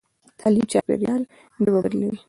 تعلیم چاپېریال ژبه بدلوي.